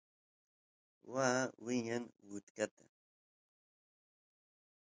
waa wiña utkata